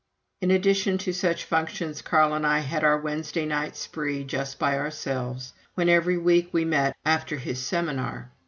In addition to such functions, Carl and I had our Wednesday night spree just by ourselves, when every week we met after his seminar.